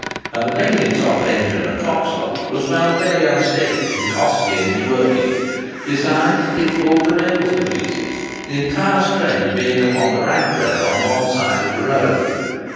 And the Blenkinsop engine at Coxlodge was found very unsteady and costly in its working; besides, it pulled the rails to pieces, the entire strain being upon the rack rail on one side of the road.